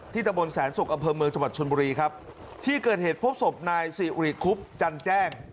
ตะบนแสนศุกร์อำเภอเมืองจังหวัดชนบุรีครับที่เกิดเหตุพบศพนายสิริคุบจันแจ้ง